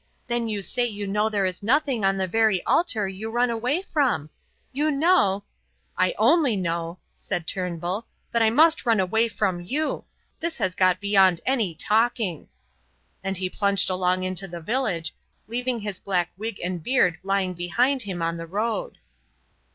Then you say you know there is nothing on the very altar you run away from. You know " "I only know," said Turnbull, "that I must run away from you. This has got beyond any talking." And he plunged along into the village, leaving his black wig and beard lying behind him on the road.